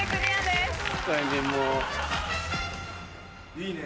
いいね